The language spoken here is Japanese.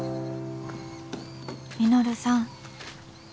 「稔さん。